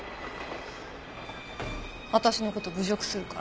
私の事侮辱するから。